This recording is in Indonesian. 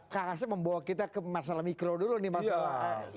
kang asep membawa kita ke masalah mikro dulu nih masalah